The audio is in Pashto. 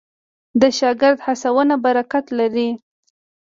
د شاګرد هڅونه برکت لري.